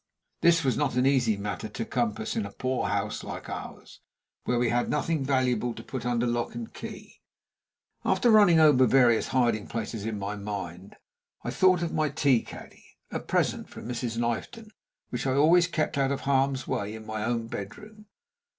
This was not an easy matter to compass in a poor house like ours, where we had nothing valuable to put under lock and key. After running over various hiding places in my mind, I thought of my tea caddy, a present from Mrs. Knifton, which I always kept out of harm's way in my own bedroom.